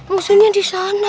maksudnya di sana